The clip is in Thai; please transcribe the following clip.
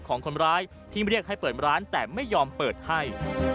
ของคนร้ายที่เรียกให้เปิดร้านแต่ไม่ยอมเปิดให้